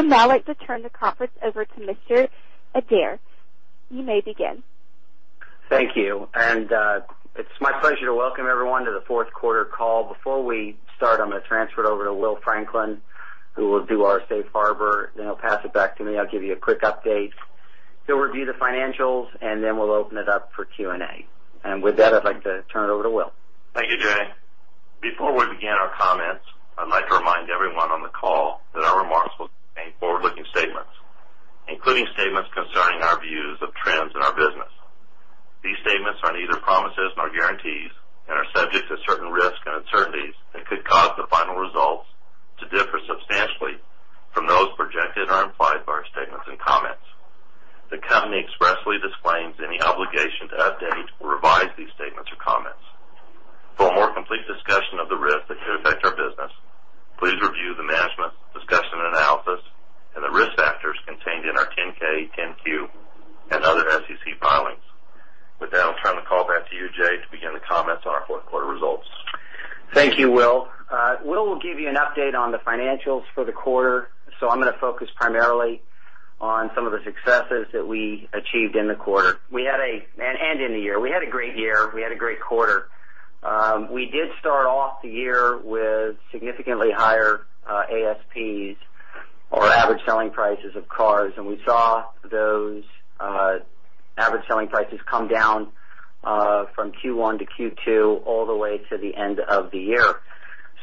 I would now like to turn the conference over to Mr. Adair. You may begin. Thank you. It's my pleasure to welcome everyone to the fourth quarter call. Before we start, I'm going to transfer it over to Will Franklin, who will do our safe harbor. He'll pass it back to me. I'll give you a quick update. He'll review the financials. We'll open it up for Q&A. With that, I'd like to turn it over to Will. Thank you, Jay. Before we begin our comments, I'd like to remind everyone on the call that our remarks will Thank you, Will. Will give you an update on the financials for the quarter. I'm going to focus primarily on some of the successes that we achieved in the quarter and in the year. We had a great year. We had a great quarter. We did start off the year with significantly higher ASPs or average selling prices of cars. We saw those average selling prices come down from Q1 to Q2 all the way to the end of the year.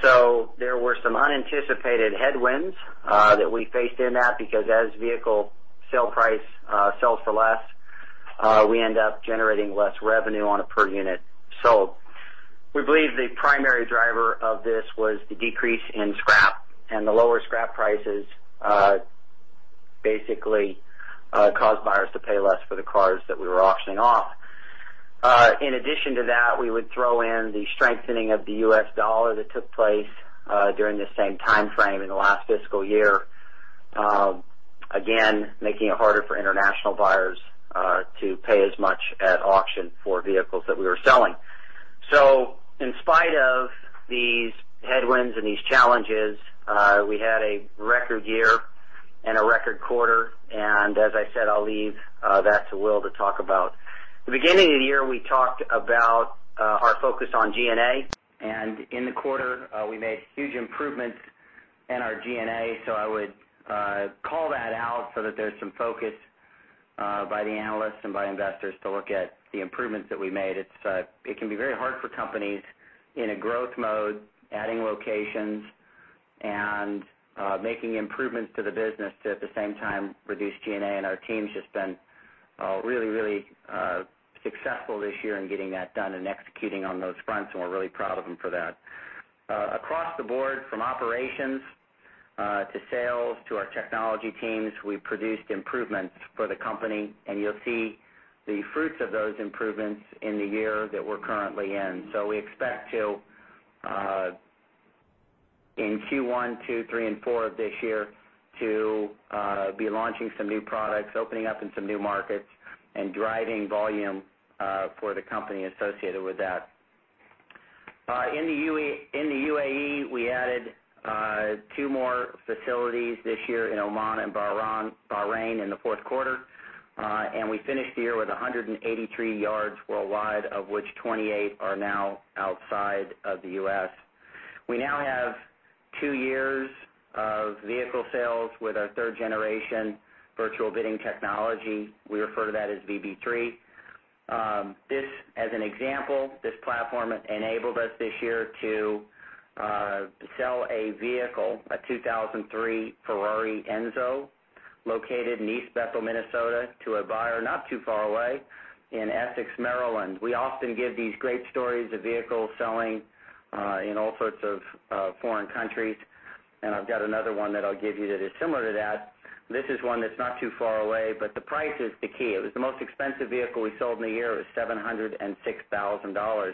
There were some unanticipated headwinds that we faced in that, because as vehicle sale price sells for less, we end up generating less revenue on a per unit sold. We believe the primary driver of this was the decrease in scrap. The lower scrap prices basically caused buyers to pay less for the cars that we were auctioning off. In addition to that, we would throw in the strengthening of the U.S. dollar that took place during the same timeframe in the last fiscal year, again, making it harder for international buyers to pay as much at auction for vehicles that we were selling. In spite of these headwinds and these challenges, we had a record year and a record quarter. As I said, I'll leave that to Will to talk about. The beginning of the year, we talked about our focus on G&A, and in the quarter, we made huge improvements in our G&A. I would call that out so that there's some focus by the analysts and by investors to look at the improvements that we made. It can be very hard for companies in a growth mode, adding locations and making improvements to the business to, at the same time, reduce G&A, and our team's just been really, really successful this year in getting that done and executing on those fronts, and we're really proud of them for that. Across the board, from operations to sales to our technology teams, we produced improvements for the company, and you'll see the fruits of those improvements in the year that we're currently in. We expect to, in Q1, 2, 3, and 4 of this year, to be launching some new products, opening up in some new markets, and driving volume for the company associated with that. In the UAE, we added two more facilities this year in Oman and Bahrain in the fourth quarter. We finished the year with 183 yards worldwide, of which 28 are now outside of the U.S. We now have two years of vehicle sales with our third-generation virtual bidding technology. We refer to that as VB3. As an example, this platform enabled us this year to sell a vehicle, a 2003 Ferrari Enzo, located in East Bethel, Minnesota, to a buyer not too far away in Essex, Maryland. We often give these great stories of vehicles selling in all sorts of foreign countries, and I've got another one that I'll give you that is similar to that. This is one that's not too far away, but the price is the key. It was the most expensive vehicle we sold in the year. It was $706,000.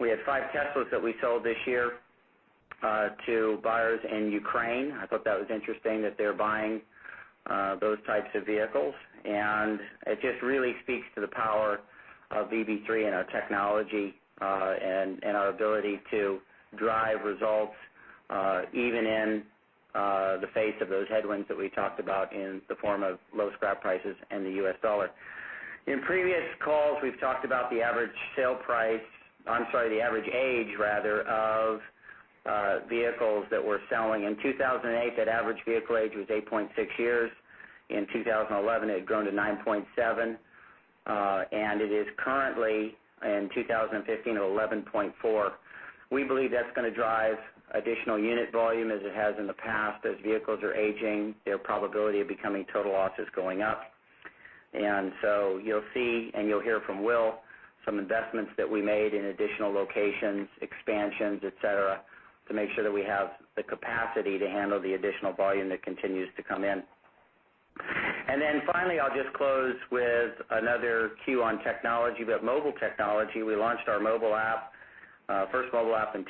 We had five Teslas that we sold this year to buyers in Ukraine. I thought that was interesting that they're buying those types of vehicles. It just really speaks to the power of VB3 and our technology, and our ability to drive results even in the face of those headwinds that we talked about in the form of low scrap prices and the U.S. dollar. In previous calls, we've talked about the average sale price, I'm sorry, the average age rather, of vehicles that we're selling. In 2008, that average vehicle age was 8.6 years. In 2011, it had grown to 9.7. It is currently, in 2015, 11.4. We believe that's going to drive additional unit volume as it has in the past. As vehicles are aging, their probability of becoming total loss is going up. You'll see and you'll hear from Will some investments that we made in additional locations, expansions, et cetera, to make sure that we have the capacity to handle the additional volume that continues to come in. Finally, I'll just close with another cue on technology, we've got mobile technology. We launched our first mobile app in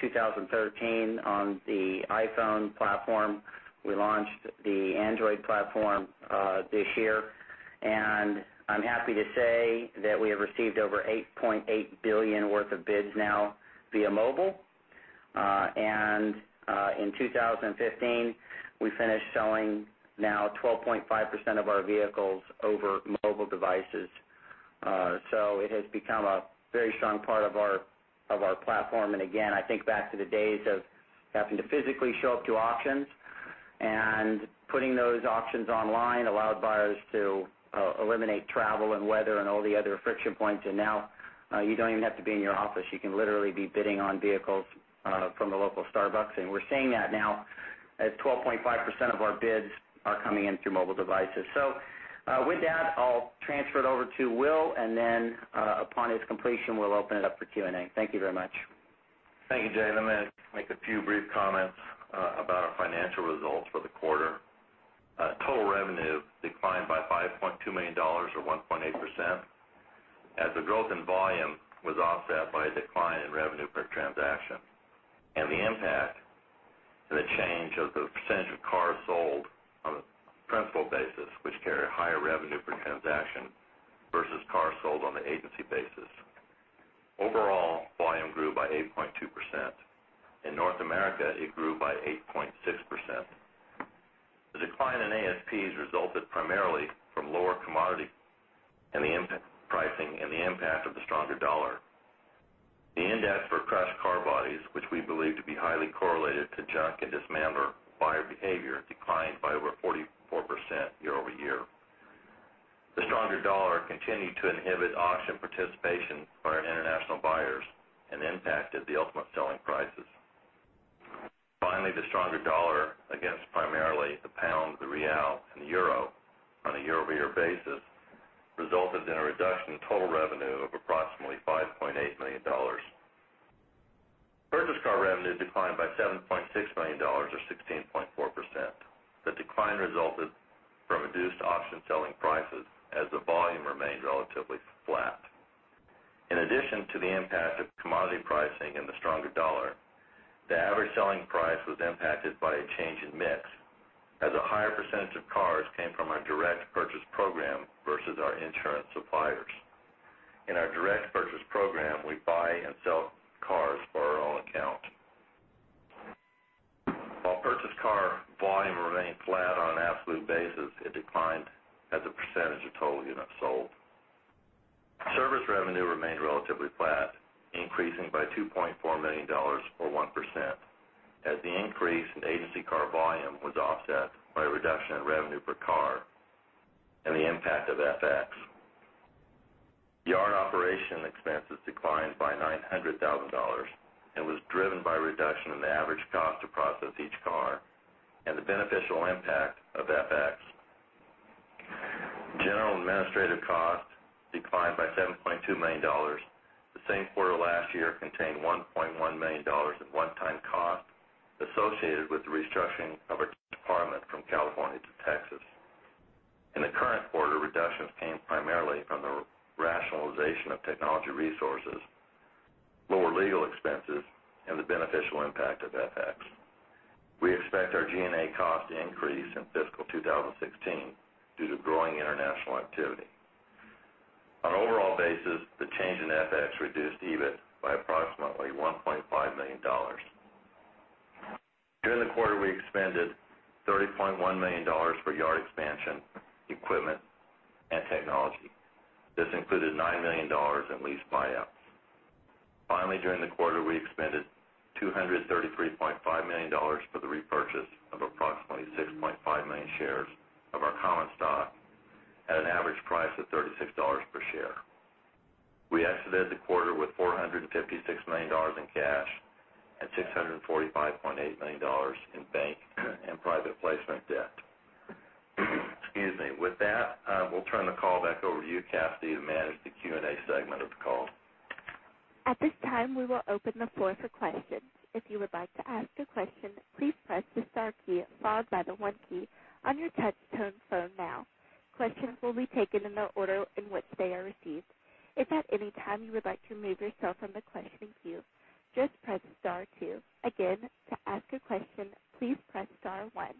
2013 on the iPhone platform. We launched the Android platform this year. I'm happy to say that we have received over $8.8 billion worth of bids now via mobile. In 2015, we finished selling now 12.5% of our vehicles over mobile devices. It has become a very strong part of our platform. Again, I think back to the days of having to physically show up to auctions, putting those auctions online allowed buyers to eliminate travel and weather and all the other friction points. Now you don't even have to be in your office. You can literally be bidding on vehicles from the local Starbucks. We're seeing that now as 12.5% of our bids are coming in through mobile devices. With that, I'll transfer it over to Will, upon his completion, we'll open it up for Q&A. Thank you very much. Thank you, Jay. I'm going to make a few brief comments about our financial results for the quarter. Total revenue declined by $5.2 million, or 1.8%, as the growth in volume was offset by a decline in revenue per transaction and the impact to the change of the percentage of cars sold on a principal basis, which carry a higher revenue per transaction versus cars sold on the agency basis. Overall, volume grew by 8.2%. In North America, it grew by 8.6%. The decline in ASPs resulted primarily from lower commodity and the impact pricing and the impact of the stronger dollar. The index for crushed car bodies, which we believe to be highly correlated to junk and dismantler buyer behavior, declined by over 44% year-over-year. The stronger dollar continued to inhibit auction participation by our international buyers and impacted the ultimate selling prices. Finally, the stronger dollar against primarily the pound, the real, and the euro on a year-over-year basis resulted in a reduction in total revenue of approximately $5.8 million. Purchase car revenue declined by $7.6 million, or 16.4%. The decline resulted from reduced auction selling prices as the volume remained relatively flat. In addition to the impact of commodity pricing and the stronger dollar, the average selling price was impacted by a change in mix as a higher percentage of cars came from our direct purchase program versus our insurance suppliers. In our direct purchase program, we buy and sell cars for our own account. While purchased car volume remained flat on an absolute basis, it declined as a percentage of total units sold. Service revenue remained relatively flat, increasing by $2.4 million, or 1%, as the increase in agency car volume was offset by a reduction in revenue per car and the impact of FX. Yard operation expenses declined by $900,000 and was driven by a reduction in the average cost to process each car and the beneficial impact of FX. General administrative costs declined by $7.2 million. The same quarter last year contained $1.1 million of one-time cost associated with the restructuring of a department from California to Texas. In the current quarter, reductions came primarily from the rationalization of technology resources, lower legal expenses, and the beneficial impact of FX. We expect our G&A cost to increase in fiscal 2016 due to growing international activity. On an overall basis, the change in FX reduced EBIT by approximately $1.5 million. During the quarter, we expended $30.1 million for yard expansion, equipment, and technology. This included $9 million in lease buyouts. During the quarter, we expended $233.5 million for the repurchase of approximately 6.5 million shares of our common stock at an average price of $36 per share. We exited the quarter with $456 million in cash and $645.8 million in bank and private placement debt. Excuse me. With that, I will turn the call back over to you, Cassidy, to manage the Q&A segment of the call. At this time, we will open the floor for questions. If you would like to ask a question, please press the star key followed by the one key on your touch-tone phone now. Questions will be taken in the order in which they are received. If at any time you would like to remove yourself from the question queue, just press star two. Again, to ask a question, please press star one.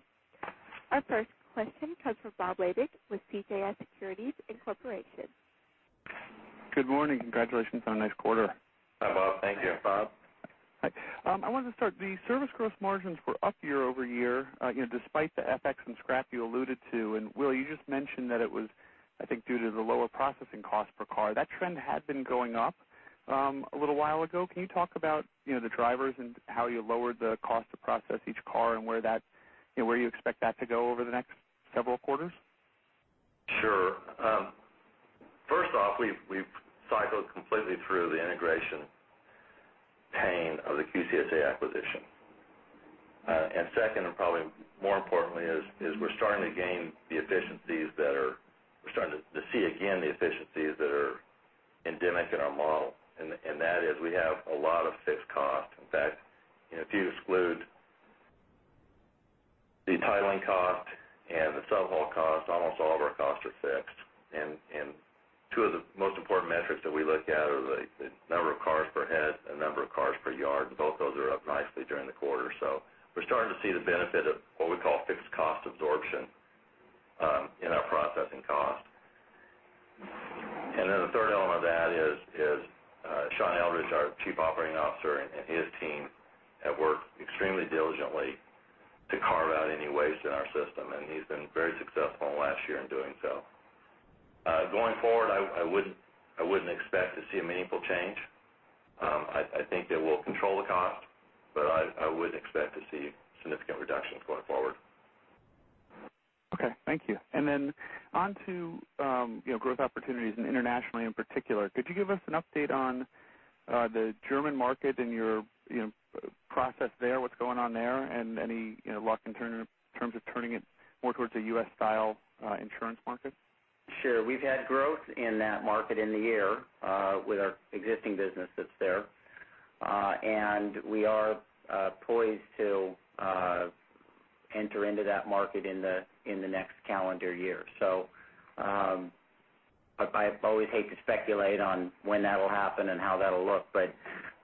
Our first question comes from Robert Labick with CJS Securities, Inc.. Good morning. Congratulations on a nice quarter. Hi, Bob. Thank you. Hi, Bob. Hi. I wanted to start. The service gross margins were up year-over-year, despite the FX and scrap you alluded to. Will, you just mentioned that it was, I think, due to the lower processing cost per car. That trend had been going up a little while ago. Can you talk about the drivers and how you lowered the cost to process each car and where you expect that to go over the next several quarters? Sure. First off, we've cycled completely through the integration pain of the QCSA acquisition. Second, and probably more importantly, is we're starting to see again the efficiencies that are endemic in our model, and that is we have a lot of fixed costs. In fact, if you exclude the titling cost and the sub-haul cost, almost all of our costs are fixed. Two of the most important metrics that we look at are the number of cars per head and number of cars per yard. Both those are up nicely during the quarter. We're starting to see the benefit of what we call fixed cost absorption in our processing cost. The third element of that is Sean Eldridge, our Chief Operating Officer, and his team have worked extremely diligently to carve out any waste in our system, and he's been very successful in the last year in doing so. Going forward, I wouldn't expect to see a meaningful change. I think it will control the cost, but I wouldn't expect to see significant reductions going forward. Okay, thank you. On to growth opportunities and internationally in particular. Could you give us an update on the German market and your process there, what's going on there and any luck in terms of turning it more towards a U.S. style insurance market? Sure. We've had growth in that market in the year with our existing businesses there. We are poised to enter into that market in the next calendar year. I always hate to speculate on when that'll happen and how that'll look, but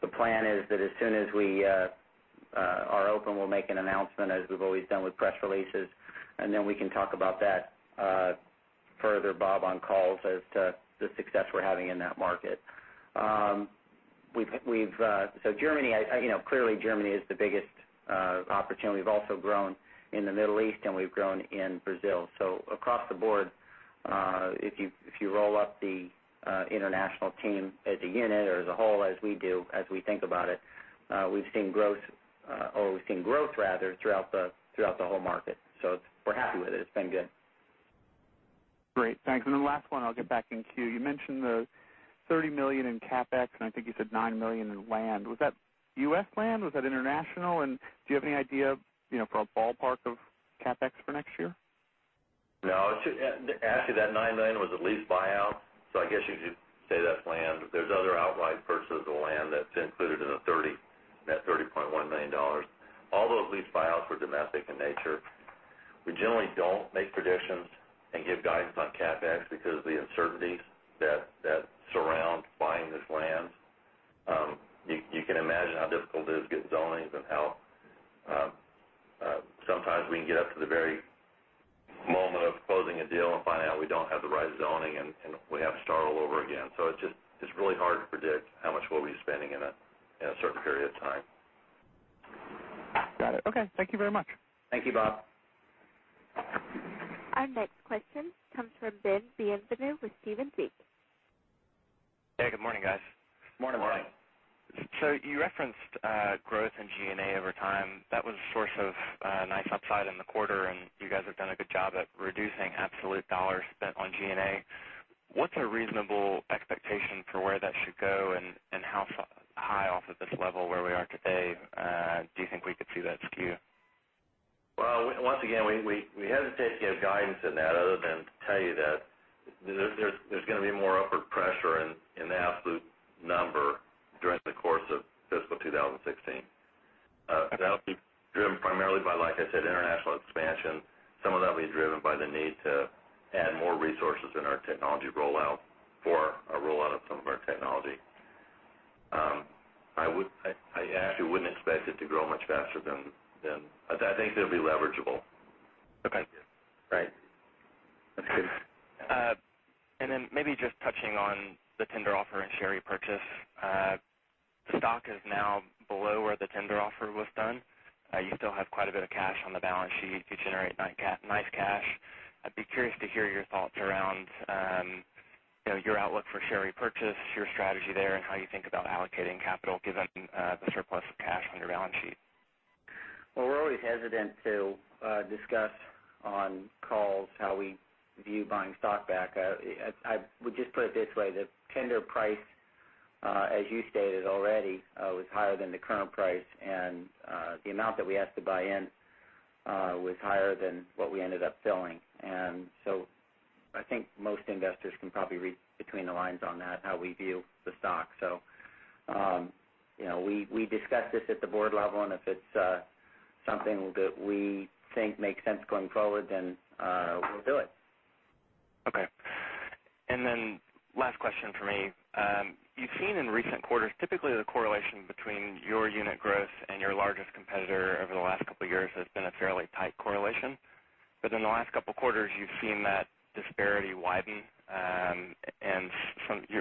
the plan is that as soon as we are open, we'll make an announcement, as we've always done with press releases, and then we can talk about that further, Bob, on calls as to the success we're having in that market. Clearly Germany is the biggest opportunity. We've also grown in the Middle East, and we've grown in Brazil. Across the board, if you roll up the international team as a unit or as a whole, as we do, as we think about it, we've seen growth throughout the whole market. We're happy with it. It's been good. Great. Thanks. The last one, I'll get back in queue. You mentioned the $30 million in CapEx, and I think you said $9 million in land. Was that U.S. land? Was that international? Do you have any idea for a ballpark of CapEx for next year? No. Actually, that $9 million was a lease buyout. I guess you could say that's land. There's other outlying purchases of land that's included in the $30.1 million. All those lease buyouts were domestic in nature. We generally don't make predictions and give guidance on CapEx because of the uncertainties that surround buying this land. You can imagine how difficult it is getting zonings and how sometimes we can get up to the very moment of closing a deal and find out we don't have the right zoning, and we have to start all over again. It's just really hard to predict how much we'll be spending in a certain period of time. Got it. Okay. Thank you very much. Thank you, Bob. Our next question comes from Ben Bienvenu with Stephens Inc. Hey, good morning, guys. Morning. Morning. You referenced growth in G&A over time. That was a source of nice upside in the quarter, and you guys have done a good job at reducing absolute $ spent on G&A. What's a reasonable expectation for where that should go, and how high off of this level where we are today do you think we could see that skew? Well, once again, we hesitate to give guidance in that other than to tell you that there's going to be more upward pressure in the absolute number during the course of fiscal 2016. That'll be driven primarily by, like I said, international expansion. Some of that will be driven by the need to add more resources in our technology rollout for a rollout of some of our technology. I actually wouldn't expect it to grow much faster than I think it'll be leverageable. Okay. Right. Maybe just touching on the tender offer and share repurchase. Stock is now below where the tender offer was done. You still have quite a bit of cash on the balance sheet. You generate nice cash. I'd be curious to hear your thoughts around your outlook for share repurchase, your strategy there, and how you think about allocating capital given the surplus of cash on your balance sheet. Well, we're always hesitant to discuss on calls how we view buying stock back. I would just put it this way, the tender price, as you stated already, was higher than the current price, and the amount that we asked to buy in was higher than what we ended up selling. I think most investors can probably read between the lines on that, how we view the stock. We discuss this at the board level, and if it's something that we think makes sense going forward, then we'll do it. Okay. Last question for me. You've seen in recent quarters, typically the correlation between your unit growth and your largest competitor over the last couple of years has been a fairly tight correlation. In the last couple of quarters, you've seen that disparity widen.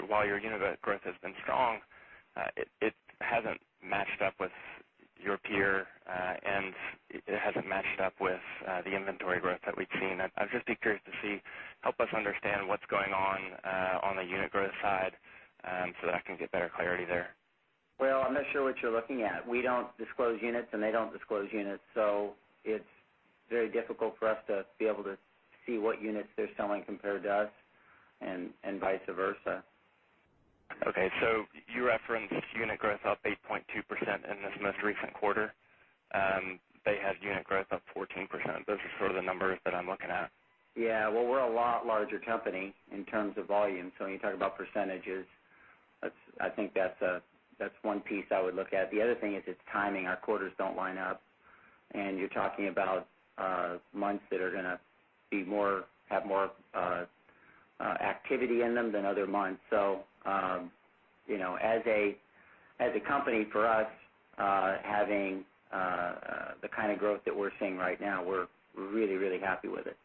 While your unit growth has been strong, it hasn't matched up with your peer, and it hasn't matched up with the inventory growth that we've seen. I'd just be curious to see, help us understand what's going on the unit growth side, so that I can get better clarity there. Well, I'm not sure what you're looking at. We don't disclose units. They don't disclose units, so it's very difficult for us to be able to see what units they're selling compared to us and vice versa. Okay. You referenced unit growth up 8.2% in this most recent quarter. They had unit growth up 14%. Those are sort of the numbers that I'm looking at. Well, we're a lot larger company in terms of volume. When you talk about % I think that's one piece I would look at. The other thing is, it's timing. Our quarters don't line up, and you're talking about months that are going to have more activity in them than other months. As a company, for us, having the kind of growth that we're seeing right now, we're really, really happy with it.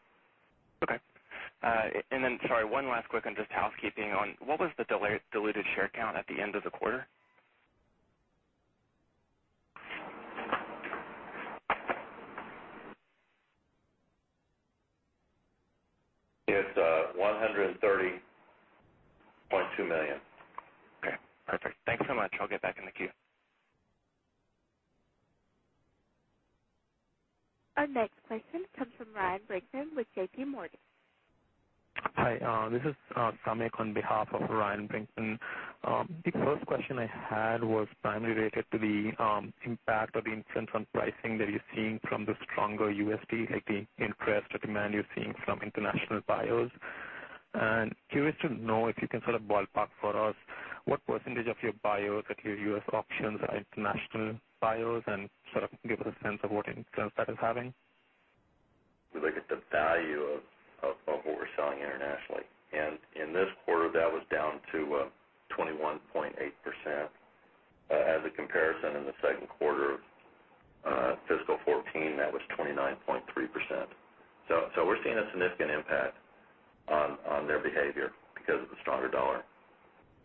Okay. Sorry, one last quick on just housekeeping on what was the diluted share count at the end of the quarter? It's 130.2 million. Okay, perfect. Thanks so much. I'll get back in the queue. Our next question comes from Ryan Brinkman with JPMorgan. Hi, this is Sameek on behalf of Ryan Brinkman. The first question I had was primarily related to the impact or the influence on pricing that you're seeing from the stronger USD, like the increased demand you're seeing from international buyers. Curious to know if you can sort of ballpark for us what % of your buyers at your U.S. auctions are international buyers and sort of give us a sense of what influence that is having. We look at the value of what we're selling internationally. In this quarter, that was down to 21.8%. As a comparison, in the second quarter of fiscal 2014, that was 29.3%. We're seeing a significant impact on their behavior because of the stronger dollar.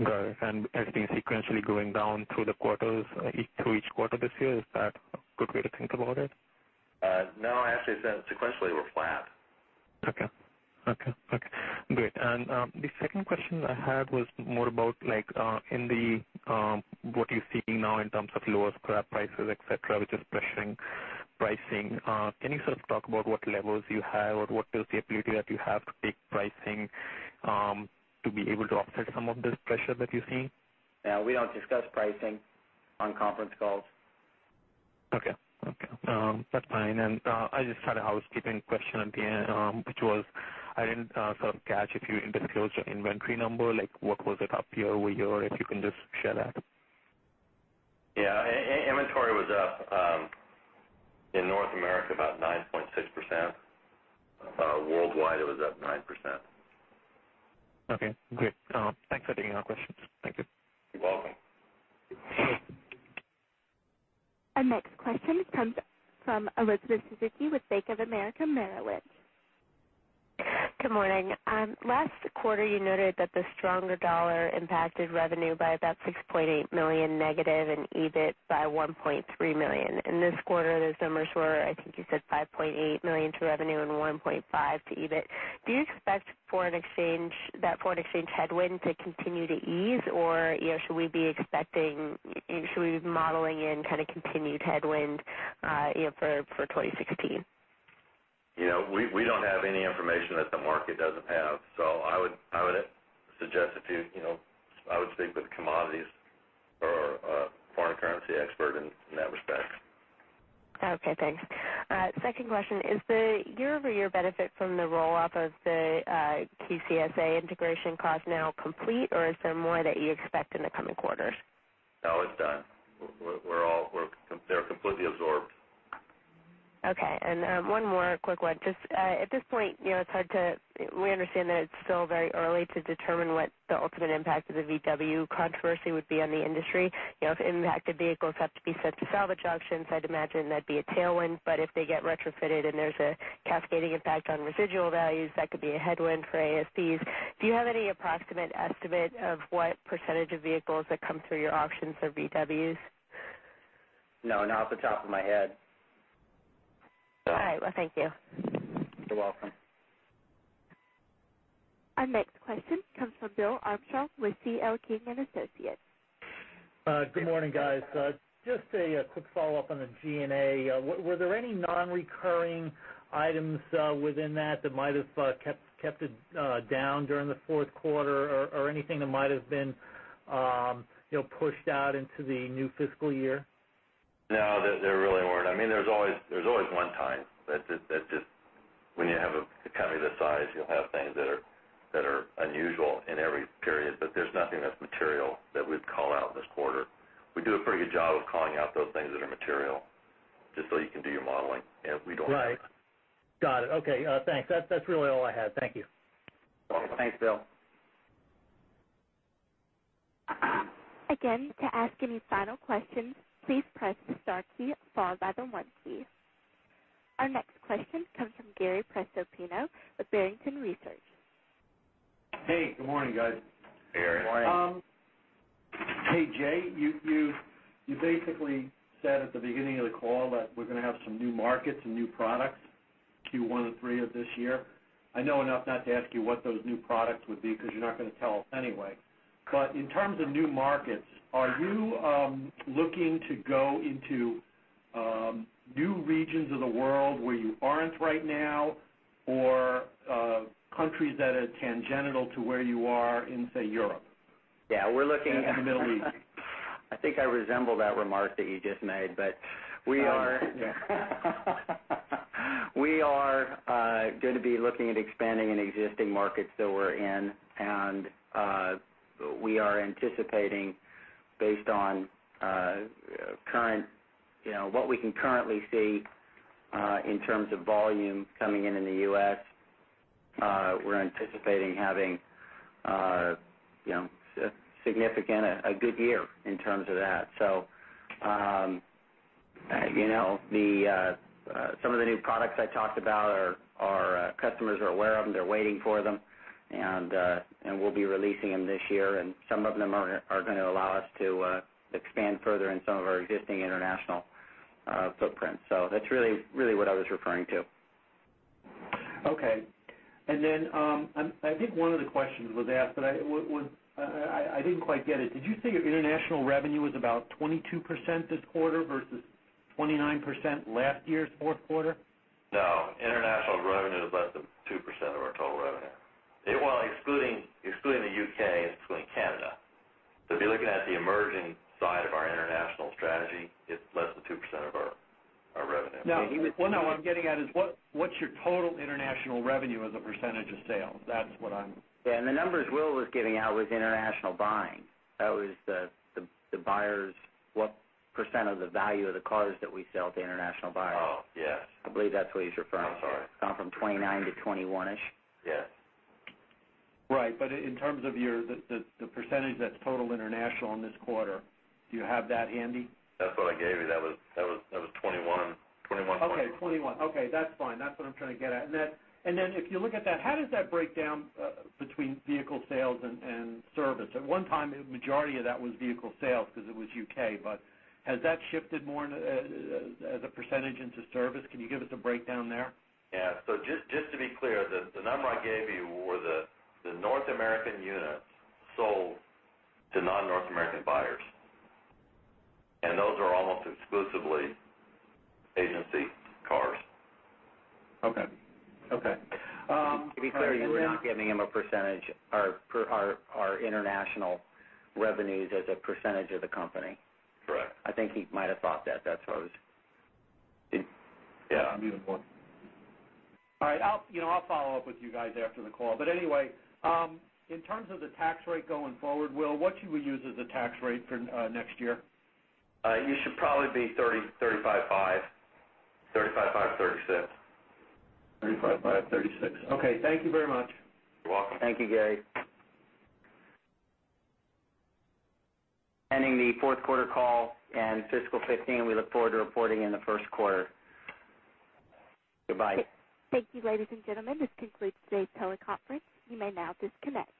Got it. Everything sequentially going down through each quarter this year, is that a good way to think about it? No, actually, I said sequentially we're flat. Okay. Great. The second question I had was more about what you're seeing now in terms of lower scrap prices, et cetera, which is pressuring pricing. Can you sort of talk about what levels you have or what is the ability that you have to take pricing to be able to offset some of this pressure that you're seeing? Yeah, we don't discuss pricing on conference calls. Okay. That's fine. I just had a housekeeping question at the end, which was I didn't sort of catch if you disclosed your inventory number, like what was it up year-over-year? If you can just share that. Yeah. Inventory was up in North America about 9.6%. Worldwide, it was up 9%. Okay, great. Thanks for taking our questions. Thank you. You're welcome. Our next question comes from Elizabeth Suzuki with Bank of America Merrill Lynch. Good morning. Last quarter you noted that the stronger dollar impacted revenue by about $6.8 million negative and EBIT by $1.3 million. In this quarter, those numbers were, I think you said $5.8 million to revenue and $1.5 to EBIT. Do you expect that foreign exchange headwind to continue to ease or should we be modeling in kind of continued headwind for 2016? We don't have any information that the market doesn't have. I would speak with a commodities or foreign currency expert in that respect. Okay, thanks. Second question, is the year-over-year benefit from the roll-up of the QCSA integration cost now complete or is there more that you expect in the coming quarters? No, it's done. They're completely absorbed. Okay. One more quick one. At this point, we understand that it's still very early to determine what the ultimate impact of the Volkswagen controversy would be on the industry. If impacted vehicles have to be sent to salvage auctions, I'd imagine that'd be a tailwind, but if they get retrofitted and there's a cascading impact on residual values, that could be a headwind for ASPs. Do you have any approximate estimate of what percentage of vehicles that come through your auctions are VWs? No, not off the top of my head. All right. Well, thank you. You're welcome. Our next question comes from William Armstrong with C.L. King & Associates. Good morning, guys. Just a quick follow-up on the G&A. Were there any non-recurring items within that that might have kept it down during the fourth quarter or anything that might have been pushed out into the new fiscal year? No, there really weren't. There's always one time. When you have a company this size, you'll have things that are unusual in every period. There's nothing that's material that we'd call out this quarter. We do a pretty good job of calling out those things that are material just so you can do your modeling. Right. Got it. Okay, thanks. That's really all I had. Thank you. You're welcome. Thanks, Bill. Again, to ask any final questions, please press star key followed by the one key. Our next question comes from Gary Prestopino with Barrington Research. Hey, good morning, guys. Hey, Gary. Good morning. Hey, Jay, you basically said at the beginning of the call that we're going to have some new markets and new products Q1 to three of this year. I know enough not to ask you what those new products would be because you're not going to tell us anyway. In terms of new markets, are you looking to go into new regions of the world where you aren't right now or countries that are tangential to where you are in, say, Europe? Yeah, I think I resemble that remark that you just made. We are going to be looking at expanding in existing markets that we're in. We are anticipating, based on what we can currently see in terms of volume coming in the U.S., we're anticipating having a good year in terms of that. Some of the new products I talked about, our customers are aware of them, they're waiting for them. We'll be releasing them this year. Some of them are going to allow us to expand further in some of our existing international footprints. That's really what I was referring to. Okay. I think one of the questions was asked. I didn't quite get it. Did you say your international revenue was about 22% this quarter versus 29% last year's fourth quarter? No, international revenue is less than 2% of our total revenue. Well, excluding the U.K. and excluding Canada. If you're looking at the emerging side of our international strategy, it's less than 2% of our revenue. No, what I'm getting at is what's your total international revenue as a % of sales? Yeah, the numbers Will was giving out was international buying. That was what % of the value of the cars that we sell to international buyers. Oh, yes. I believe that's what he's referring to. I'm sorry. Down from 29 to 21-ish. Yes. In terms of the percentage that's total international in this quarter, do you have that handy? That's what I gave you. That was 21. Okay, 21. Okay, that's fine. That's what I'm trying to get at. Then, if you look at that, how does that break down between vehicle sales and service? At one time, the majority of that was vehicle sales because it was U.K., but has that shifted more as a percentage into service? Can you give us a breakdown there? Yeah. Just to be clear, the number I gave you were the North American units sold to non-North American buyers. Those are almost exclusively agency cars. Okay. To be clear, you were not giving him our international revenues as a percentage of the company. Correct. I think he might have thought that's what it was. Yeah. All right. I'll follow up with you guys after the call. Anyway, in terms of the tax rate going forward, Will, what should we use as a tax rate for next year? You should probably be 35.5%, 36%. 35.5%, 36%. Okay. Thank you very much. You're welcome. Thank you, Gary. Ending the fourth quarter call and fiscal 2015. We look forward to reporting in the first quarter. Goodbye. Thank you, ladies and gentlemen. This concludes today's teleconference. You may now disconnect.